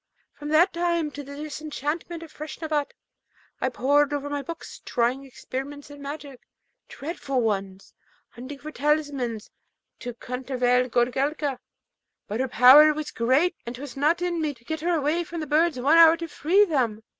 from that time to the disenchantment of Feshnavat, I pored over my books, trying experiments in magic, dreadful ones, hunting for talismans to countervail Goorelka; but her power was great, and 'twas not in me to get her away from the birds one hour to free them.